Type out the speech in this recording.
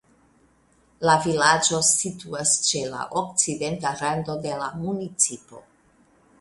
La vilaĝo situas ĉe la okcidenta rando de la municipo.